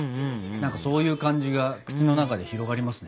何かそういう感じが口の中で広がりますね。